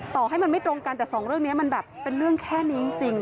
ต่อให้มันไม่ตรงกันแต่สองเรื่องนี้มันแบบเป็นเรื่องแค่นี้จริง